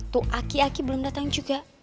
tuh aki aki belum datang juga